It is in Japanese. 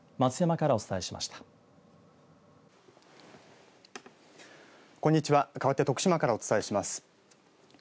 かわって徳島からお伝えします。